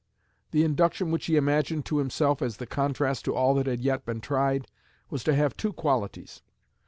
The Induction which he imagined to himself as the contrast to all that had yet been tried was to have two qualities.